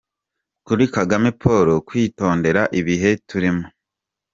Kuri Kagame Paul: Kwitondera ibihe turimo.